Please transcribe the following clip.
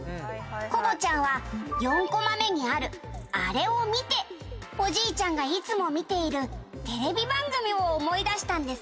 「コボちゃんは４コマ目にあるあれを見ておじいちゃんがいつも見ているテレビ番組を思い出したんですね」